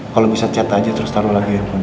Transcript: kalau bisa cet aja terus taruh lagi handphone